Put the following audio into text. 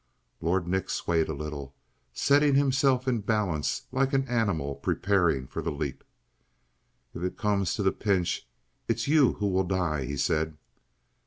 Lord Nick swayed a little, setting himself in balance like an animal preparing for the leap. "If it comes to the pinch, it is you who will die," he said.